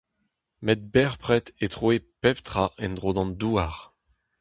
Met bepred e troe pep tra en-dro d'an Douar.